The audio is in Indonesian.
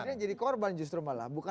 makanya jadi korban justru malah